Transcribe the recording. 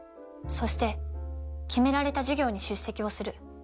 そして決められた授業に出席をする。